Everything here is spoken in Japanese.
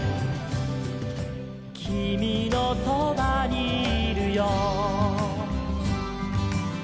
「きみのそばにいるよ」